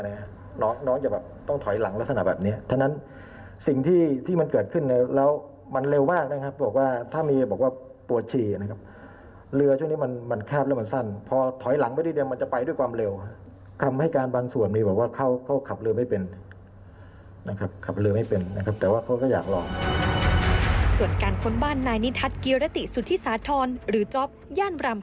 คุณแตงโมที่ทำธุระอยู่ท้ายเรือคุณแตงโมที่ทำธุระอยู่ท้ายเรือคุณแตงโมที่ทำธุระอยู่ท้ายเรือคุณแตงโมที่ทำธุระอยู่ท้ายเรือคุณแตงโมที่ทำธุระอยู่ท้ายเรือคุณแตงโมที่ทำธุระอยู่ท้ายเรือคุณแตงโมที่ทำธุระอยู่ท้ายเรือคุณแตงโมที่ทำธุระอยู่ท้ายเรือคุณแตงโมที่ทำ